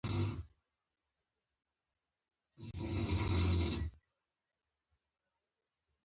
زه د طنزي خپرونو مینهوال یم.